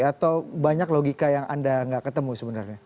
atau banyak logika yang anda nggak ketemu sebenarnya